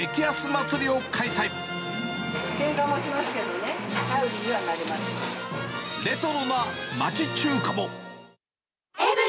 けんかもしますけどね、レトロな町中華も。